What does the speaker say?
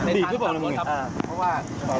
อันนั้นเดี๋ยวขายโรงเขาอีกเราลงของทาง